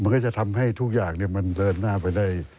มันก็จะทำให้ทุกอย่างมันเดินหน้าไปได้